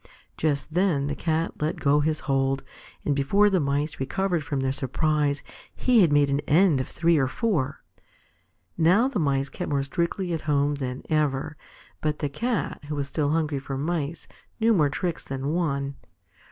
Just then the Cat let go his hold, and before the Mice recovered from their surprise, he had made an end of three or four. Now the Mice kept more strictly at home than ever. But the Cat, who was still hungry for Mice, knew more tricks than one.